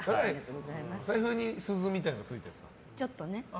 財布に鈴みたいなのついてるんですか。